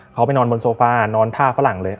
เขาไปนอนบนโซฟานอนท่าฝรั่งเลย